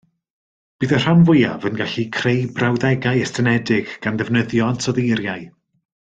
Bydd y rhan fwyaf yn gallu creu brawddegau estynedig gan ddefnyddio ansoddeiriau